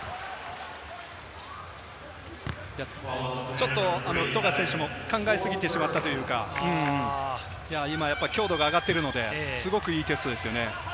ちょっと富樫選手も考えすぎてしまったというか、強度が上がっているので、すごくいいテストですね。